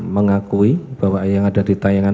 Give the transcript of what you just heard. mengakui bahwa yang ada di tayangan